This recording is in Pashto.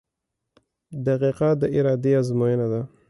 • دقیقه د ارادې ازموینه ده.